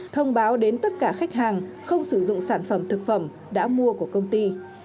thông báo đến tất cả khách hàng không sử dụng sản phẩm thực phẩm đã mua của công ty